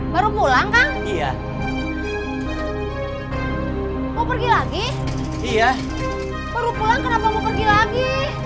perlu pulang kenapa mau pergi lagi